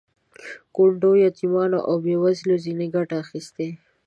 کونډو، یتیمانو او بې وزلو ځنې ګټه اخیستې.